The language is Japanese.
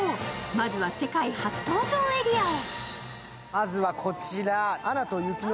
まずは世界初登場エリアへ。